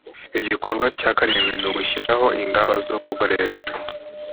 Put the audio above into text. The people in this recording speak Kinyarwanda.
igikorwa cya karindwi ni ugushyiraho ingamba zo gukoresha